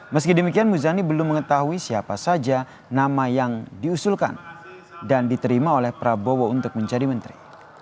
meski demikian muzani belum mengetahui siapa saja nama yang diusulkan dan diterima oleh prabowo untuk menjadi menteri